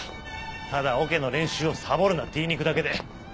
ただオケの練習をサボるなって言いに行くだけで。